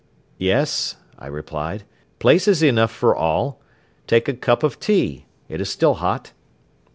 "Yes," I replied, "places enough for all. Take a cup of tea. It is still hot."